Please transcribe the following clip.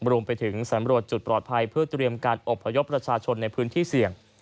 รวมไปถึงสำรวจจุดปลอดภัยเพื่อเตรียมการอบพยพประชาชนในพื้นที่เสี่ยง